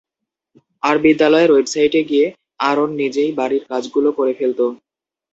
আর বিদ্যালয়ের ওয়েবসাইটে গিয়ে আরন নিজেই বাড়ির কাজগুলো করে ফেলত।